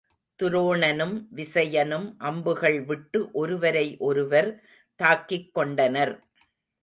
துரோணனும் விசயனும் அம்புகள் விட்டு ஒருவரை ஒருவர் தாக்கிக் கொண்டனர்.